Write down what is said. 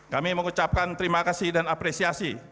kami mengucapkan terima kasih dan apresiasi